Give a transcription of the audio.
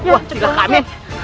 wah cerita kamin